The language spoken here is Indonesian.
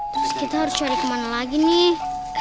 terus kita harus cari kemana lagi nih